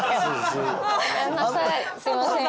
すいません。